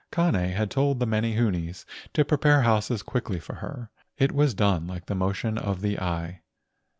Kane had told the menehunes to prepare houses quickly for her. It was done like the motion of the eye.